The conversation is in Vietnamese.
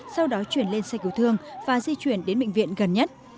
sau đó chuyển lên xe cứu thương và di chuyển đến bệnh viện gần nhất